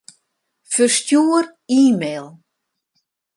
Ferstjoer e-mail.